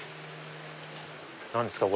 何ですか？